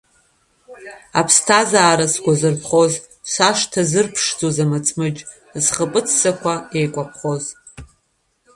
Аԥсҭазаара сгәазырԥхоз, Сашҭа зырԥшӡоз амыҵмыџь, Зхаԥыц ссақәа еикәаԥхоз!